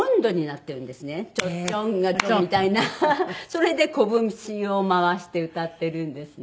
それでこぶしを回して歌ってるんですね。